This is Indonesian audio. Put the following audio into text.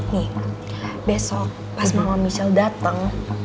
nih besok pas mama michelle datang